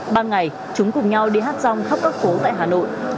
ban ngày chúng cùng nhau đi hát rong khắp các phố tại hà nội